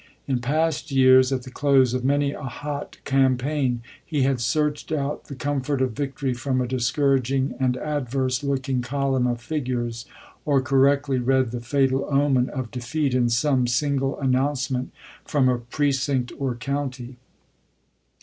In past years, at the close of many a hot campaign, he had searched out the comfort of victory from a discouraging and adverse looking column of figures, or correctly read the fatal omen of defeat in some single announcement from a precinct or county.